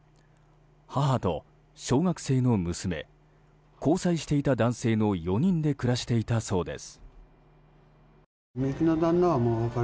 母と小学生の娘交際していた男性の４人で暮らしていたそうです。